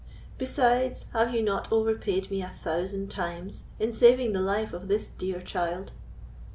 Besides, have you not overpaid me a thousand times, in saving the life of this dear child?"